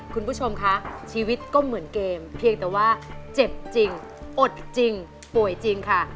คุณผู้ชมคะชีวิตก็เหมือนเกมเพียงแต่ว่าเจ็บจริงอดจริงป่วยจริงค่ะ